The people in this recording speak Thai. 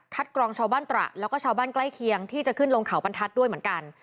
กรองชาวบ้านตระแล้วก็ชาวบ้านใกล้เคียงที่จะขึ้นลงเขาบรรทัศน์ด้วยเหมือนกัน